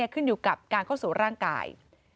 ขึ้นอยู่กับการเข้าสู่ร่างกาย